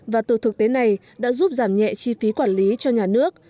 và từ thực tế này đã giúp giảm nhẹ chi phí quản lý cho nhà nước